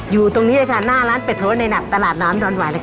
อยู่ตรงนี้นะคะหน้าร้านเป็ดโพธิ์ในหนักตลาดน้ำนอนหวาย